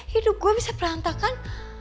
hidup gue bisa perantakan